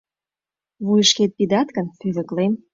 — Вуйышкет пидат гын, пӧлеклем.